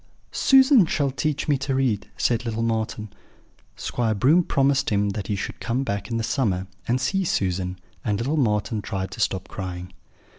"'Susan shall teach me to read,' said little Marten. "Squire Broom promised him that he should come back in the summer, and see Susan, and little Marten tried to stop crying.